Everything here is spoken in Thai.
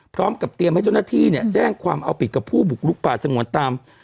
พร้อมกับเตรียมให้เจ้าหน้าที่เนี่ยแจ้งความเอาผิดกับผู้บุกลุกป่าสงวนตาม